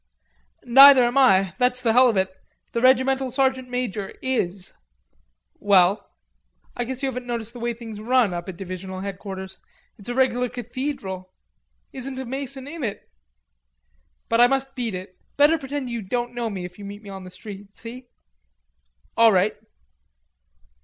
"Neither am I. That's the hell of it. The regimental sergeant major is." "Well?" "I guess you haven't noticed the way things run up at divisional headquarters. It's a regular cathedral. Isn't a mason in it.... But I must beat it.... Better pretend you don't know me if you meet me on the street; see?" "All right."